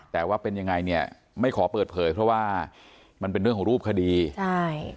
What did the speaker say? แต่ว่าเป็นยังไงเนี่ยไม่ขอเปิดเผยเพราะว่ามันเป็นเรื่องของรูปคดีใช่